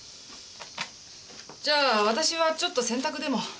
じゃあ私はちょっと洗濯でも。